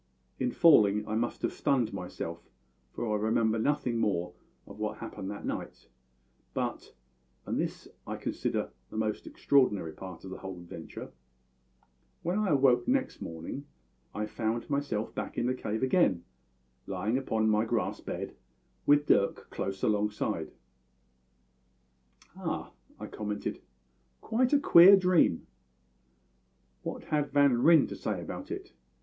In falling I must have stunned myself, for I remember nothing more of what happened that night, but and this I consider the most extraordinary part of the whole adventure when I awoke next morning I found myself back in the cave again, lying upon my grass bed, with Dirk close alongside." "Ah!" I commented, "quite a queer dream. What had Van Ryn to say about it?